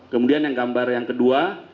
kemudian yang gambar yang kedua